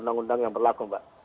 undang undang yang berlaku mbak